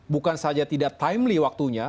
bukan saja tidak timlly waktunya